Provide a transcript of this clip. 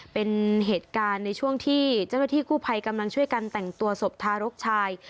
เป็นเหตุการณ์ในช่วงที่เจ้าหน้าที่กู้ภัยกำลังช่วยกันแต่งตัวศพทารกชาย